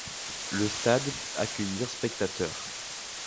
Le stade peut accueillir spectateurs.